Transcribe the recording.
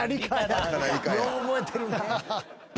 よう覚えてるな。